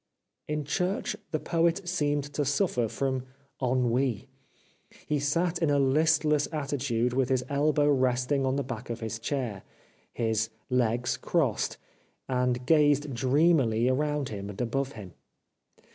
In Church the Poet seemed to suffer from ennui. He sat in a listless attitude with his elbow resting on the back of his chair, his legs crossed, and gazed dreamily around him and above him.